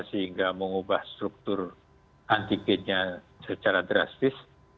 sehingga mengubah struktur antigennya secara drastis